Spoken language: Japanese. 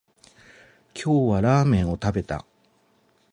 今日はラーメンを食べた